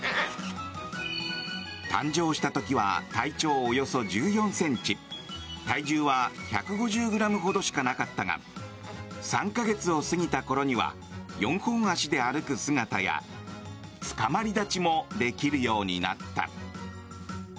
誕生した時は体長およそ１４ｃｍ体重は１５０ｇほどしかなかったが３か月を過ぎた頃には四本足で歩く姿やつかまり立ちもできるようになった。